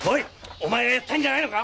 お前がやったんじゃないのか？